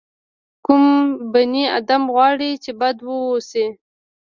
کوم بني ادم غواړي چې بد واوسي.